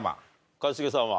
一茂さんは？